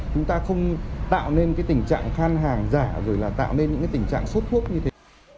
chúng ta không tạo nên cái tình trạng khan hàng giả rồi là tạo nên những cái tình trạng sốt thuốc như thế